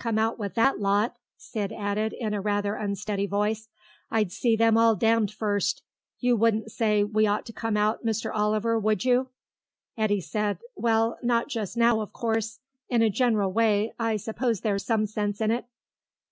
"Come out with that lot!" Sid added, in a rather unsteady voice. "I'd see them all damned first. You wouldn't say we ought to come out, Mr. Oliver, would you?" Eddy said, "Well, not just now, of course. In a general way, I suppose there's some sense in it."